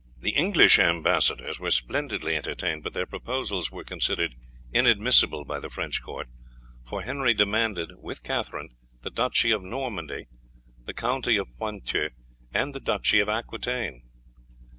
The English ambassadors were splendidly entertained, but their proposals were considered inadmissible by the French court, for Henry demanded with Katherine the duchy of Normandy, the county of Pontieu, and the duchy of Aquitaine.